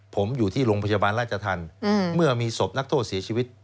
ผมอยู่ที่โรงพยาบาลราชธรรมเมื่อมีศพนักโทษเสียชีวิต